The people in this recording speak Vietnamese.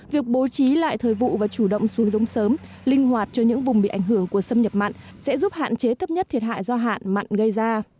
việc bố trí lại thời vụ và chủ động xuống giống sớm linh hoạt cho những vùng bị ảnh hưởng của xâm nhập mặn sẽ giúp hạn chế thấp nhất thiệt hại do hạn mặn gây ra